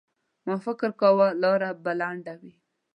ما فکر کاوه لاره به لنډه وي.